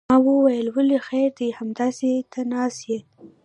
ما ویل ولې خیر دی همدې ته ناست یې.